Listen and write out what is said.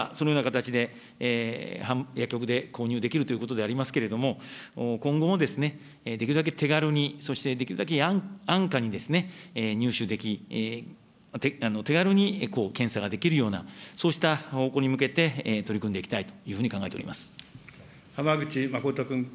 現段階ではそのような形で薬局で購入できるということでありますけれども、今後もできるだけ手軽に、そしてできるだけ安価に入手でき、手軽に検査ができるような、そうした方向に向けて、取り組んでいきたいというふうに考えてお浜口誠君。